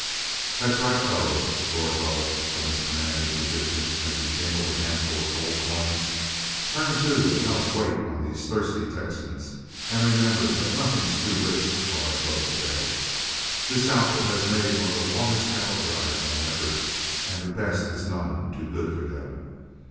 "That's right, fellows," roared Lovell from his commanding position, as he jingled a handful of gold coins, "turn to and help wait on these thirsty Texans; and remember that nothing's too rich for our blood to day. This outfit has made one of the longest cattle drives on record, and the best is none too good for them.